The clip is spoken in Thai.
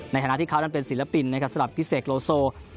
ในฐานะที่เขานั้นเป็นศิลปินนะครับสำหรับพี่เสกโลโซ